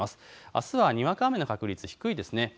あすはにわか雨の確率、低いです。